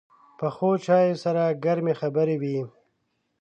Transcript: پخو چایو سره ګرمې خبرې وي